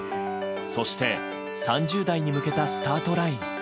そして、３０代に向けたスタートライン。